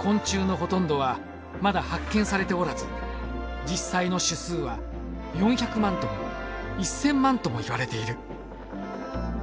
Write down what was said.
昆虫のほとんどはまだ発見されておらず実際の種数は４００万とも１，０００万ともいわれている。